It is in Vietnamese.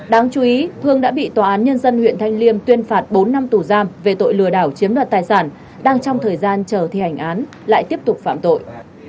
đáng chú ý hương đã bị tòa án nhân dân huyện thanh liêm tuyên phạt bốn năm tù giam về tội lừa đảo chiếm đoạt tài sản đang trong thời gian chờ thi hành án lại tiếp tục phạm tội